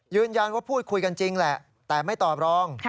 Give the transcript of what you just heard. ยืนยันว่าพูดคุยกันจริงแหละแต่ไม่ตอบรอง